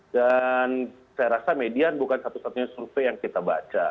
dan saya rasa median bukan satu satunya survei yang kita baca